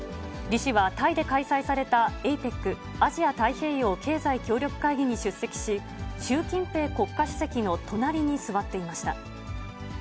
李氏はタイで開催されたＡＰＥＣ・アジア太平洋経済協力会議に出席し、習近平国家主席の隣に座っていました。